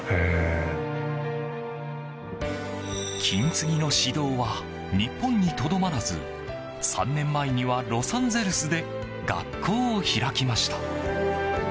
金継ぎの指導は日本にとどまらず３年前には、ロサンゼルスで学校を開きました。